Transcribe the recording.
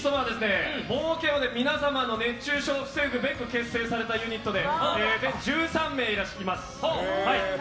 冒険王で皆様の熱中症を防ぐべく結成されたユニットで全部で１３名います。